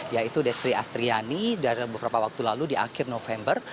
yaitu destri astriani dari beberapa waktu lalu di akhir november